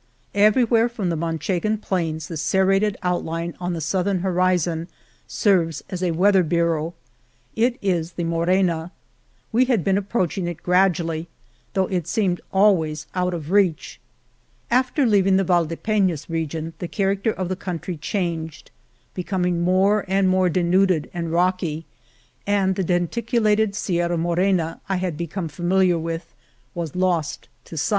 Everywhere from the Manchegan plains the serrated outline on the southern horizon serves as a weather bureau. It is the Mo rena. We had been approaching it gradually, though it seemed always out of reach. After leaving the Valdepenas region the character of the country changed, becoming more and more denuded and rocky, and the denticu lated Sierra Morena I had become familiar with was lost to sight. • '"J L'.